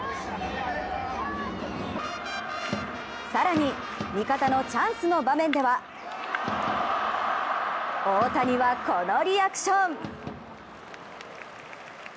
更に、味方のチャンスの場面では大谷はこのリアクション。